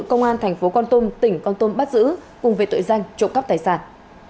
công an thành phố con tôm tỉnh con tôm bắt giữ cùng về tội danh trộm cắp tài sản